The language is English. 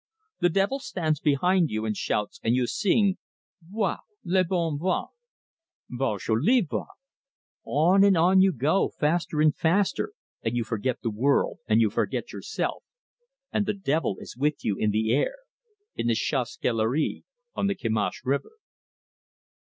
The devil stands behind you and shouts, and you sing, 'V'la! l'bon vent! V'la l'joli vent!' On and on you go, faster and faster, and you forget the world, and you forget yourself, and the devil is with you in the air in the chasse galerie on the Kimash River."